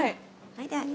はい。